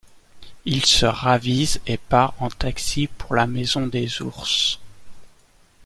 Il se ravise et part en taxi pour la maison des ours.